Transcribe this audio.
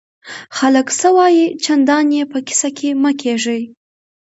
خلک څه وایي؟ چندان ئې په کیسه کي مه کېږه!